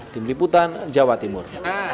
tim liputan jawa timur